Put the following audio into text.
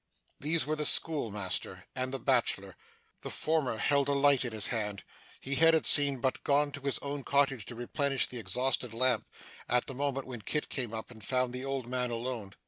These were the schoolmaster, and the bachelor. The former held a light in his hand. He had, it seemed, but gone to his own cottage to replenish the exhausted lamp, at the moment when Kit came up and found the old man alone.